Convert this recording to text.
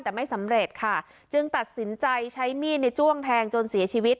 แต่ไม่สำเร็จค่ะจึงตัดสินใจใช้มีดในจ้วงแทงจนเสียชีวิต